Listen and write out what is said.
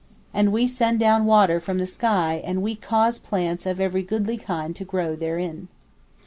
And We send down water from the sky and We cause (plants) of every goodly kind to grow therein.